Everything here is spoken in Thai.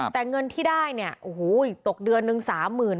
แต่เงินที่ได้เนี่ยโอ้โฮอีกตกเดือนนึง๓๐๐๐๐บ้าง